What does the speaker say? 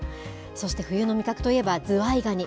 そして冬の味覚といえばズワイガニ。